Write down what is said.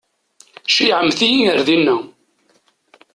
Ceyyɛemt-iyi ar dina.